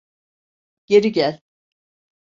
Geri gel!